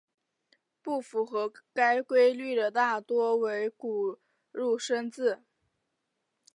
不符合该规律的大多为古入声字。